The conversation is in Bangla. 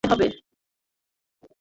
আমাদের একটা এফআইআর দায়ের করতে হবে।